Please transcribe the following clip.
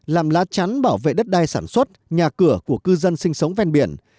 làm lá chắn bảo vệ đất đai sản xuất nhà cửa của cư dân sinh sống ven biển